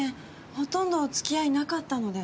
ほとんど付き合いなかったので。